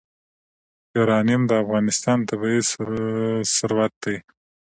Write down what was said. یورانیم د افغانستان طبعي ثروت دی.